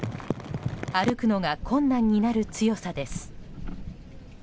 歩くのが困難になる強さです。